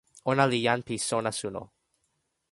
ona li jan pi sona suno.